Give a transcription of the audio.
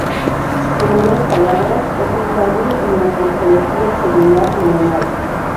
En otras palabras, es un cambio en la morfología celular normal.